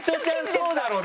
そうだろう